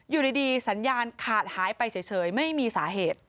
อยู่ดีสัญญาณขาดหายไปเฉยไม่มีสาเหตุ